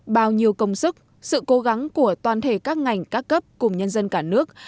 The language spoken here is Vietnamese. bao nhiêu công sức sự cố gắng của toàn thể các ngành các cấp cùng nhân dân cả nước